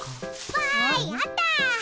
わあい！あった！